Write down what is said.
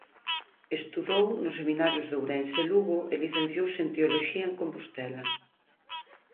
Estudou nos Seminarios de Ourense e Lugo e licenciouse en teoloxía en Compostela.